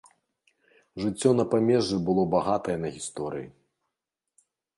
Жыццё на памежжы было багатае на гісторыі.